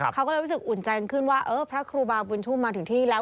เขาก็เลยรู้สึกอุ่นใจกันขึ้นว่าเออพระครูบาบุญชุ่มมาถึงที่นี่แล้ว